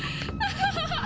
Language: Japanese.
ハハハハ！